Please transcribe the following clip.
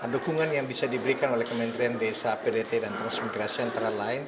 dukungan yang bisa diberikan oleh kementerian desa pdt dan transmigrasi antara lain